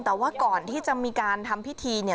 แต่ว่าก่อนที่จะมีการทำพิธีเนี่ย